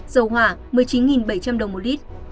dầu hỏa một mươi chín bảy trăm linh đồng một lít